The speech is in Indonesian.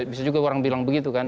bisa juga orang bilang begitu kan